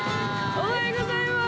おはようございます。